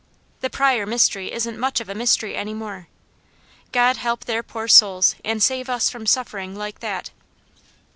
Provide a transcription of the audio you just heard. The Pryor mystery isn't much of a mystery any more. God help their poor souls, and save us from suffering like that!"